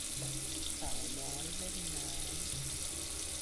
สาวน้อยเล่นน้ำ